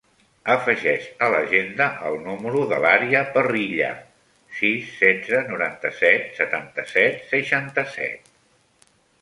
Afegeix a l'agenda el número de l'Aria Parrilla: sis, setze, noranta-set, setanta-set, seixanta-set.